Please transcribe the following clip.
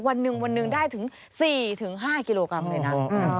วันหนึ่งได้ถึง๔๕กิโลกรัมเลยนะ